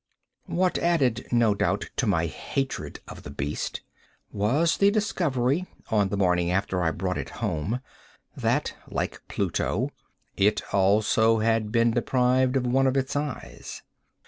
What added, no doubt, to my hatred of the beast, was the discovery, on the morning after I brought it home, that, like Pluto, it also had been deprived of one of its eyes.